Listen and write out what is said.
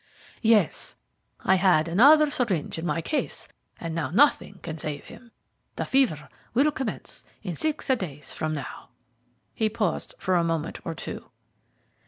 "Yes; I had another syringe in my case, and now nothing can save him. The fever will commence in six days from now." He paused for a moment or two.